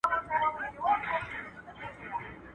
تر پردي زوى مو دا خپله پکه لور ښه ده.